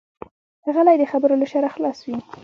غلی، د خبرو له شره خلاص وي.